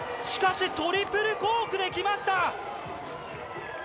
しかしトリプルコークできました！